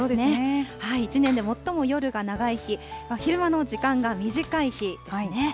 一年で最も夜が長い日、昼間の時間が短い日ですね。